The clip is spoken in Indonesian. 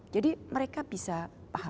jadi mereka bisa paham